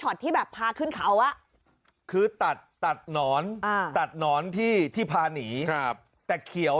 หาวหาวหาวหาวหาวหาวหาวหาวหาวหาว